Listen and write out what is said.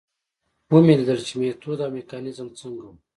ومې لیدل چې میتود او میکانیزم څنګه و.